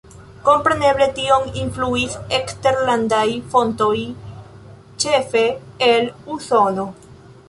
Kompreneble tion influis eksterlandaj fontoj, ĉefe el Usono.